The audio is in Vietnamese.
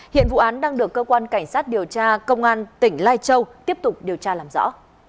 hiện vụ án đang được cơ quan cảnh sát điều tra công an tỉnh lai châu tiếp tục điều tra làm rõ